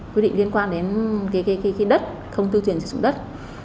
quy định liên quan đến cái đất không thu tiền sử dụng đất